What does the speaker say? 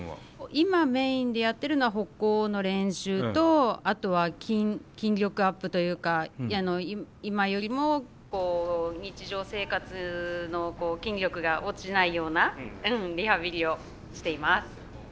今メインでやってるのは歩行の練習とあとは筋力アップというか今よりも日常生活の筋力が落ちないようなリハビリをしています。